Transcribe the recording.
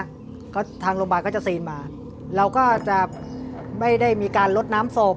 ก็ทางโรงพยาบาลก็จะซีนมาเราก็จะไม่ได้มีการลดน้ำศพ